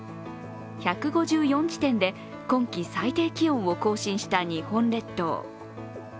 １５４地点で今季最低気温を更新した日本列島。